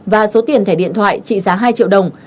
và số tiền thẻ điện thoại trị giá hai triệu đồng